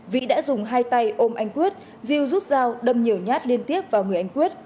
vĩ đã dùng hai tay ôm anh quyết diêu rút dao đâm nhiều nhát liên tiếp vào người anh quyết